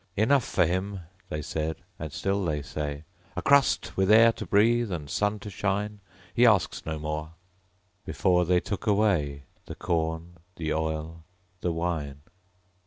'Enough for him,' they said and still they say 'A crust, with air to breathe, and sun to shine; He asks no more!' Before they took away The corn, the oil, the wine.